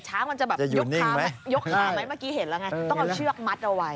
มันจะแบบยกขายกขาไหมเมื่อกี้เห็นแล้วไงต้องเอาเชือกมัดเอาไว้